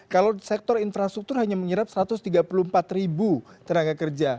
kalau sektor infrastruktur hanya menyerap satu ratus tiga puluh empat ribu tenaga kerja